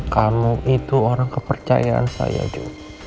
kamu itu orang kepercayaan saya juga